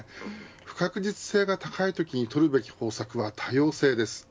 不確実性が高いときに取るべき方策は多様性です。